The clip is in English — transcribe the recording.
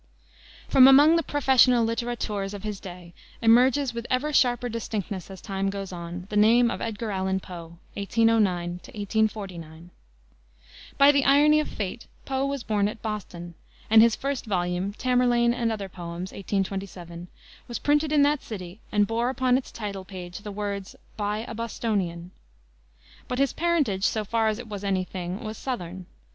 From among the professional littérateurs of his day emerges, with ever sharper distinctness as time goes on, the name of Edgar Allan Poe (1809 1849.) By the irony of fate Poe was born at Boston, and his first volume, Tamerlane and Other Poems, 1827, was printed in that city and bore upon its title page the words, "By a Bostonian." But his parentage, so far as it was any thing, was southern.